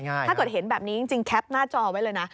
ถ้าเกิดเห็นแบบนี้จริงแคปหน้าจอไว้เลยนะ